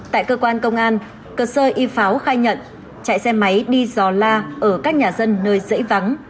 tại cơ quan công an cửa sơ y pháo khai nhận chạy xe máy đi giò la ở các nhà dân nơi dễ vắng